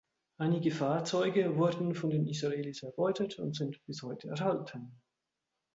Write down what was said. Einige Fahrzeuge wurden von den Israelis erbeutet und sind bis heute erhalten.